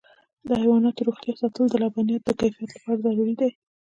د حیواناتو روغتیا ساتل د لبنیاتو د کیفیت لپاره ضروري دي.